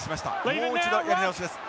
もう一度やり直しです。